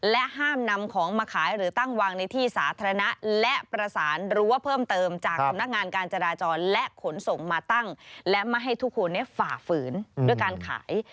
และห้ามนำของมาขายหรือตั้งวางในที่สาธารณะและประสานรั้วเพิ่มเติมจากสำนักงานการจราจรและขนส่งมาตั้งและไม่ให้ทุกคนฝ่าฝืนด้วยการขาย